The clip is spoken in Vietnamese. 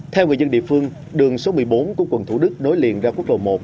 theo người dân địa phương đường số một mươi bốn của quận thủ đức nối liền ra quốc lộ một